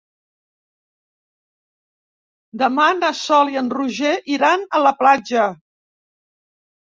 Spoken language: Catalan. Demà na Sol i en Roger iran a la platja.